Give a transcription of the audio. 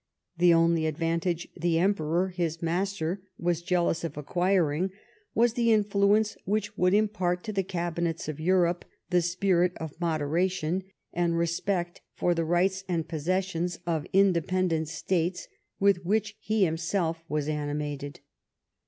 The only advantage the Emperor, his master, was jealous of acquiring was the influence which would impart to the Cabinets of Europe the spirit of moderation, and respect for the rights and possessions of independent States, with which he himself was animated.